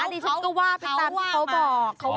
ดิฉันก็ว่าไปตามที่เขาบอก